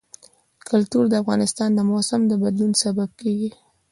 کلتور د افغانستان د موسم د بدلون سبب کېږي.